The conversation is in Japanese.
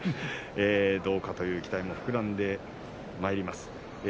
どうかという期待も膨らんでまいります。